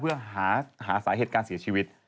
เพื่อหาสาเหตุการเสียชีวิต